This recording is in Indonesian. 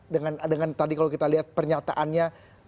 dengan tadi kalau kita lihat pernyataannya